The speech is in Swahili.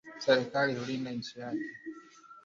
Serekali hulinda nchi yake